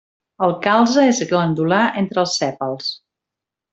El calze és glandular entre els sèpals.